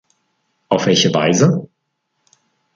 Auf welche Weise?